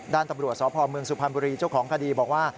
ด้านตำรวจสพเมืองสุพรรณบุรีเจ้าของคดีบอกว่า